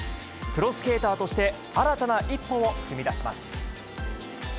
プロスケーターとして、新たな一歩を踏み出します。